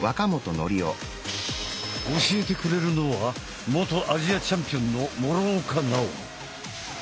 教えてくれるのは元アジアチャンピオンの諸岡奈央。